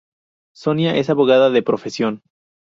Sonia es abogada de profesión.